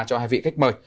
cho hai vị khách mời